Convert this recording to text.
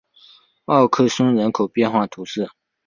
奥克松人口变化图示